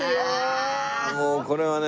ああもうこれはね